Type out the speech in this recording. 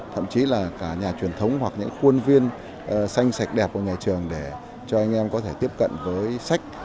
thậm chí là cả nhà truyền thống hoặc những khuôn viên xanh sạch đẹp của nhà trường để cho anh em có thể tiếp cận với sách